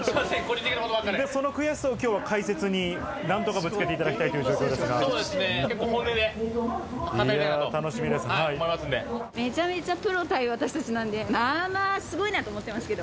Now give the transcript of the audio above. その悔しさを今日、解説に何とかぶつけていただきたいと思いますが。